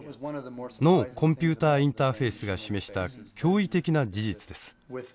脳コンピューターインターフェイスが示した驚異的な事実です。